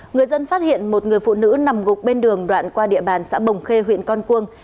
người dân phát hiện một người phụ nữ nằm gục bên đường đoạn qua địa bàn xã bồng khê huyện con cuông